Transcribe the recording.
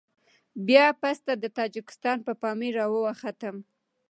بيا پسته د تاجکستان په پامير راواوښتم.